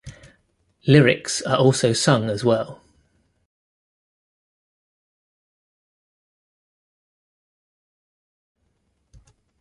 Lyrics are also sung as well.